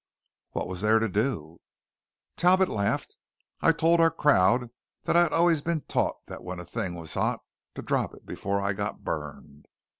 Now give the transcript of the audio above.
"What was there to do?" Talbot laughed. "I told our crowd that I had always been taught that when a thing was hot, to drop it before I got burned.